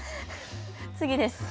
次です。